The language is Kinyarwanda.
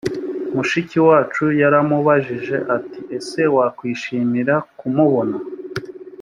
mushiki wacu yaramubajije ati ese wakwishimira kumubona